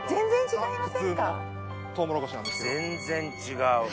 全然違う。